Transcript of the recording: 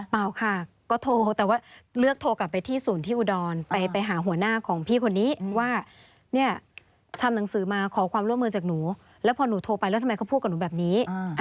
เปล่าค่ะก็โทรแต่ว่าเลือกโทรกลับไปที่ศูนย์ที่อุดรไปหาหัวหน้าของพี่คนนี้ว่าเนี่ยทำหนังสือมาขอความร่วมมือจากหนูแล้วพอหนูโทรไปแล้วทำไมเขาพูดกับหนูแบบนี้